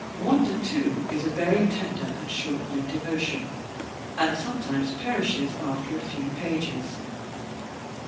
Wonder too is a very tender and short lived emotion, and sometimes perishes after a few pages.